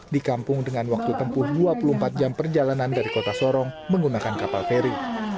di kampung dengan waktu tempuh dua puluh empat jam perjalanan dari kota sorong menggunakan kapal feri